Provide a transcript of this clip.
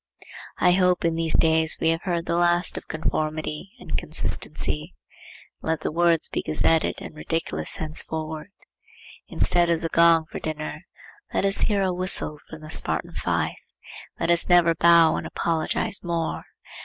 I hope in these days we have heard the last of conformity and consistency. Let the words be gazetted and ridiculous henceforward. Instead of the gong for dinner, let us hear a whistle from the Spartan fife. Let us never bow and apologize more.